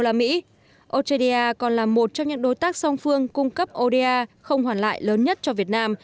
australia còn là một trong những đối tác song phương cung cấp oda không hoàn lại lớn nhất cho việt nam